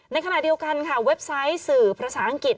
ในขณะเดียวกันค่ะเว็บไซต์สื่อภาษาอังกฤษ